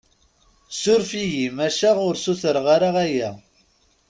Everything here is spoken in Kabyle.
Suref-iyi, maca ur sutreɣ ara aya.